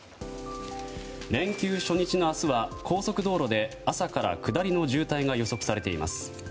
連休初日の明日は高速道路で朝から下りの渋滞が予測されています。